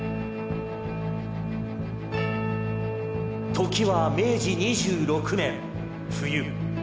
「時は明治２６年冬。